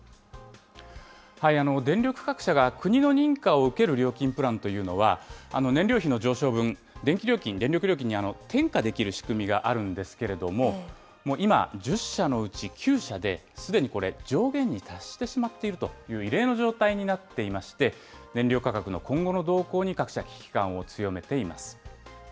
電力各社が国の認可を受ける料金プランというのは、燃料費の上昇分、電気料金、電力料金に転嫁できる仕組みがあるんですけれども、今、１０社のうち９社ですでにこれ、上限に達してしまっているという異例の状態になっていまして、燃料価格の今後の動向に、各社、危機感を強めています。